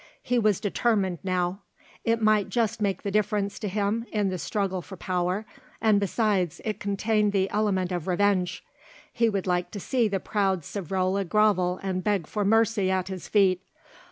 He was determined now; it might just make the difference to him in the struggle for power, and besides, it contained the element of revenge. He would like to see the proud Savrola grovel and beg for mercy at his feet.